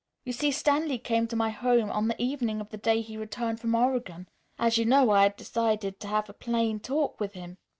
You see, Stanley came to my home on the evening of the day he returned from Oregon. As you know, I had decided to have a plain talk with him.